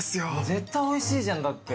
絶対おいしいじゃんだって。